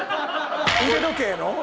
腕時計の？